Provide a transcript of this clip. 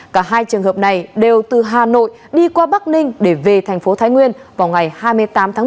cả hai trường hợp này đều từ hà nội đi qua bắc ninh để về thành phố thái nguyên vào ngày hai mươi tám tháng một mươi